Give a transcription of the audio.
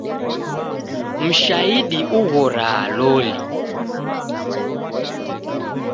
Mshaidi ughoraa loli.